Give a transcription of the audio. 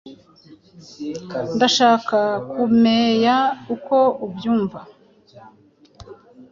Ndashaka kumea uko ubyumva.